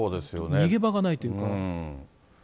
逃げ場がないというか。